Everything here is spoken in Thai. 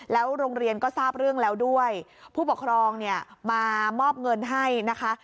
แล้วโรงเรียนก็ทราบเรื่องแล้วด้วยผู้ปกครองเนี่ยมามอบเงินให้นะคะ